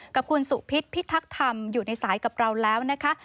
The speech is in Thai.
กับคุณสุพิษพิทักษ์ธรรมอยู่ในสายกับเราแล้วนะคะ